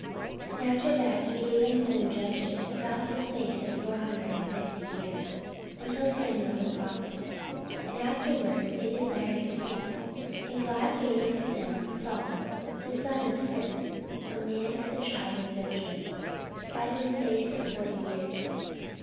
44:013:020 And after that he gave unto them judges about the space of four hundred and fifty years, until Samuel the prophet. 44:013:021 And afterward they desired a king: and God gave unto them Saul the son of Cis, a man of the tribe of Benjamin, by the space of forty years.